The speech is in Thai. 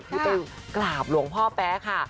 ที่ไปกราบหลวงพ่อแป๊ค่ะ